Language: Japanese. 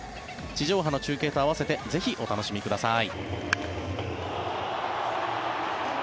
地上波の中継と合わせてぜひお楽しみください。